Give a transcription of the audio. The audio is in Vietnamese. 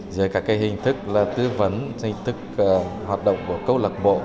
giữa cả cái hình thức là tư vấn hình thức hoạt động của câu lạc bộ